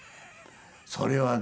それはね